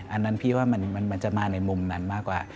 อันนั้นพี่ว่ามันจะมาในมุมนั้นมากกว่า